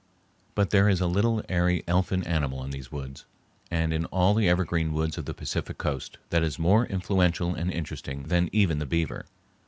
But there is a little airy, elfin animal in these woods, and in all the evergreen woods of the Pacific Coast, that is more influential and interesting than even the beaver.